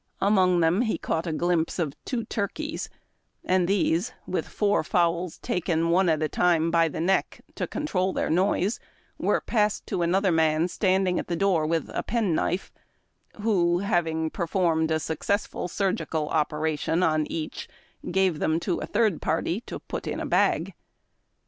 Among them he caught a glimpse of two turkeys, and tlfese, with four fowls taken one at a time by the neck, to control their noise, were passed to anotlier man standing at the door with a pen knife, who, having per formed a successful surgical operation on each, gave them to a third party to put in a bag.